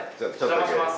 お邪魔します。